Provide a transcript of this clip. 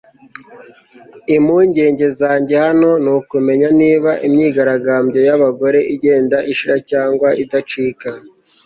Impungenge zanjye hano ni ukumenya niba imyigaragambyo yabagore igenda ishira cyangwa idacika